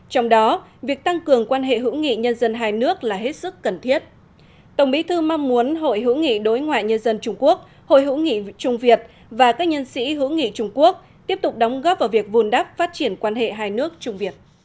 tổng bí thư nguyễn phú trọng cho rằng